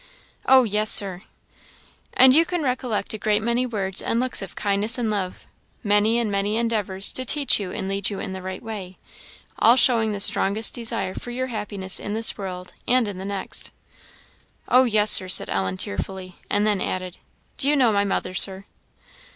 "Oh yes, Sir." "And you can recollect a great many words and looks of kindness and love many and many endeavours to teach you and lead you in the right way all showing the strongest desire for your happiness in this world, and in the next?" "Oh yes, Sir, "said Ellen, tearfully; and then added, "Do you know my mother, Sir?"